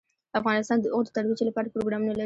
افغانستان د اوښ د ترویج لپاره پروګرامونه لري.